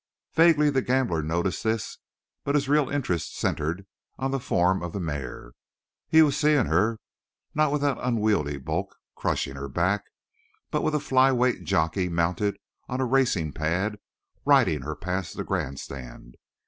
Vaguely the gambler noticed this, but his real interest centered on the form of the mare. He was seeing her not with that unwieldy bulk crushing her back, but with a fly weight jockey mounted on a racing pad riding her past the grand stand.